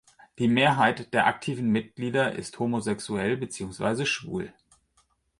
Die Mehrheit der aktiven Mitglieder ist homosexuell beziehungsweise schwul.